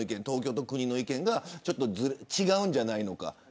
東京と国の意見がちょっと違うんじゃないのか。